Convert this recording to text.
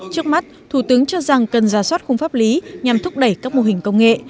trước mắt thủ tướng cho rằng cần ra soát khung pháp lý nhằm thúc đẩy các mô hình công nghệ